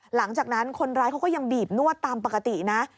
หลังจากนั้นคนร้ายเขาก็ยังบีบนวดตามปกตินะ